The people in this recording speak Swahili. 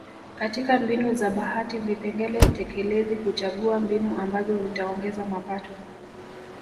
Katika mbinu za bahati vipengele tekelezi huchagua mbinu ambazo zitaongeza mapato